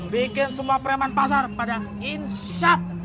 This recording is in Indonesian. bikin semua preman pasar pada insap